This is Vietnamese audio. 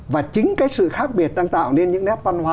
và chính cái sự khác biệt đang tạo nên những nét văn hóa